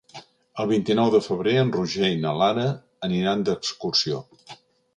El vint-i-nou de febrer en Roger i na Lara aniran d'excursió.